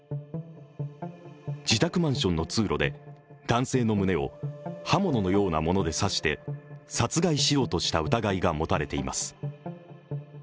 自宅マンションの通路で男性の胸を刃物のようなもので刺して殺害しようとした疑いが持たれています。